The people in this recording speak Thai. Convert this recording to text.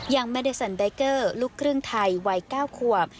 ยังแมดิซันแบคเกอร์ลูกครึ่งไทยวัย๙ควร